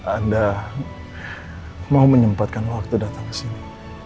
anda mau menyempatkan waktu datang ke sini